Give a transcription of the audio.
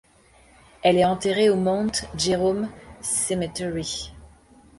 Elle est enterrée au Mount Jerome Cemetery.